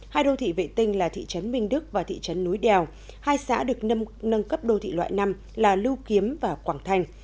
hai đô thị vệ tinh là thị trấn minh đức và thị trấn núi đèo hai xã được nâng cấp đô thị loại năm là lưu kiếm và quảng thành